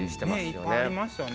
ねっいっぱいありましたね。